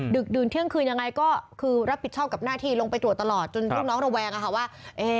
ดึกเที่ยงคืนยังไงก็คือรับผิดชอบกับหน้าที่ลงไปตรวจตลอดจนลูกน้องระแวงว่า